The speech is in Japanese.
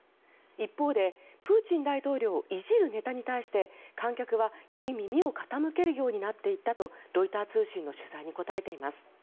一方で、プーチン大統領をいじるネタに対して観客はより耳を傾けるようになっていったとロイター通信の取材に答えています。